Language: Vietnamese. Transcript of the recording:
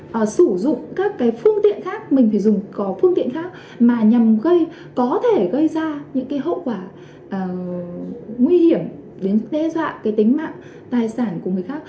các cá nhân sử dụng các phương tiện khác mình phải dùng có phương tiện khác mà nhằm có thể gây ra những hậu quả nguy hiểm đến đe dọa tính mạng tài sản của người khác